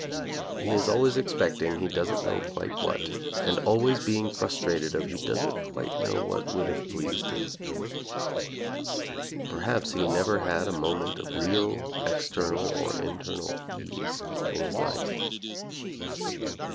He is always expecting he doesn't know quite what, and always being frustrated of he doesn't quite know what would have pleased him. Per haps he never had a moment of real external or internal ease in his life.